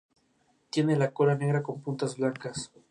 Tiene la cola negra con puntas blancas.